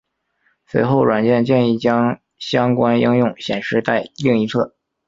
随后软件建议将相关应用显示在另一侧。